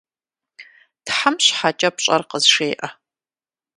Тхьэм щхьэкӏэ пщӏэр къызжеӏэ!